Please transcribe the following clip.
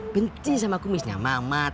benci sama kumisnya mamat